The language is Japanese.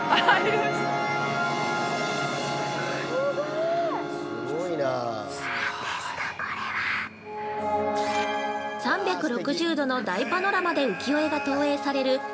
◆３６０度の大パノラマで浮世絵が投影される